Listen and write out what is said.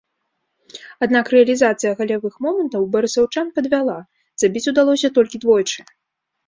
Аднак рэалізацыя галявых момантаў барысаўчан падвяла, забіць удалося толькі двойчы.